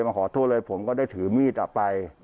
มาขอโทษเลยผมก็ได้ถือมีดไป